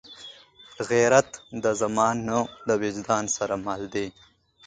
غیرت د زمان نه، د وجدان سره مل دی